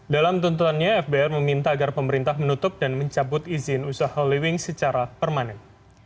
dalam tuntutannya fbr meminta agar pemerintah menutup dan mencabut izin usaha holywing secara permanen